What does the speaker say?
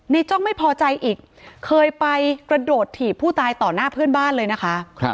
จ้องไม่พอใจอีกเคยไปกระโดดถีบผู้ตายต่อหน้าเพื่อนบ้านเลยนะคะ